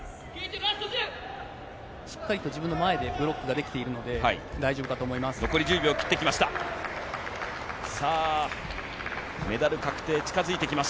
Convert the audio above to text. しっかり自分の前でブロックができているので、大丈夫かと思います。